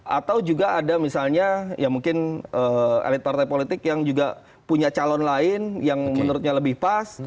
atau juga ada misalnya ya mungkin elit partai politik yang juga punya calon lain yang menurutnya lebih pas